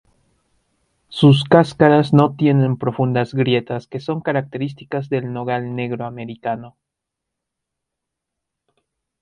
Sus cáscaras no tienen profundas grietas que son características del nogal negro americano.